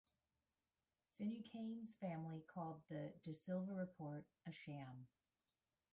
Finucane's family called the De Silva report a "sham".